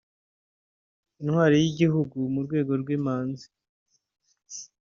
Intwari y’igihugu mu rwego rw’Imanzi